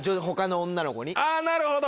あぁなるほど！